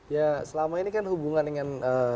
ya selama ini kan hubungan dengan